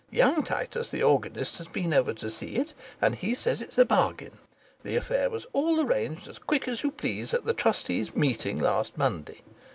Young Titus the organist has been over to see it, and he says it's a bargain. The affair was all arranged as quick as you please at the Trustees' meeting last Monday.